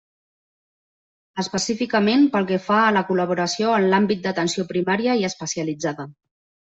Específicament, pel que fa a la col·laboració en l'àmbit d'atenció primària i especialitzada.